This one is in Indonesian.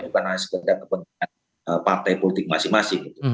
bukan hanya sekedar kepentingan partai politik masing masing